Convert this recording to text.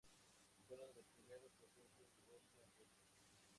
Fue uno de los primeros procesos de divorcio en Rusia.